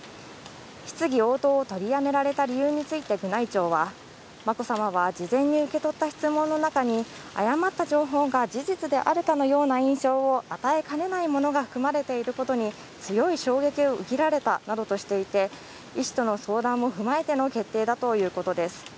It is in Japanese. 質疑応答を取りやめられた理由について、宮内庁は眞子さまは事前に受け取った質問の中に誤った情報が事実であるかのような印象を与えかねないものが含まれていることに強い衝撃を受けられたなどとしていて医師との相談も踏まえての決定だということです。